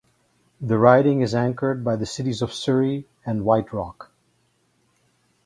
The riding is anchored by the cities of Surrey and White Rock.